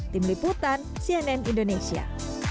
tim liputan cnn indonesia